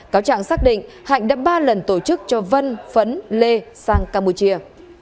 cáo trạng xác định hạnh đã ba lần tổ chức cho vân phấn lê sang campuchia